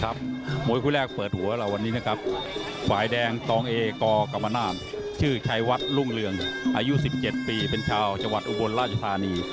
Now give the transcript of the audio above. มวยคู่แรกเปิดหัวเราวันนี้นะครับฝ่ายแดงตองเอกกรรมนาศชื่อชัยวัดรุ่งเรืองอายุ๑๗ปีเป็นชาวจังหวัดอุบลราชธานี